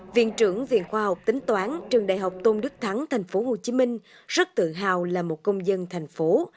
viện trưởng viện khoa học tính toán trường đại học tôn đức thắng tp hcm rất tự hào là một công dân thành phố